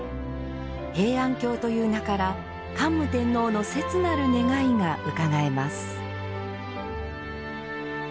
平安京という名から桓武天皇の切なる願いが伺えます。